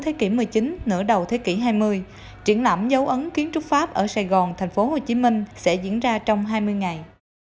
thế kỷ một mươi chín nửa đầu thế kỷ hai mươi triển lãm dấu ấn kiến trúc pháp ở sài gòn tp hcm sẽ diễn ra trong hai mươi ngày